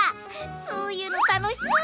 そういうの楽しそう！